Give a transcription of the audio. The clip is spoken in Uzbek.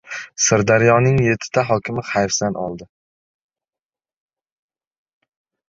Sirdaryoning yettita hokimi hayfsan oldi